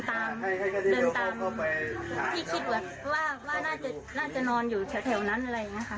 แล้วหนูก็เลยเดินตามที่คิดว่าน่าจะนอนอยู่แถวนั้นอะไรอย่างนี้ค่ะ